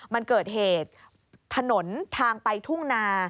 มันเกิดเหตุถนนทางไปทุ่งนา